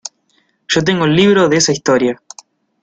yo tengo el libro de esa Historia.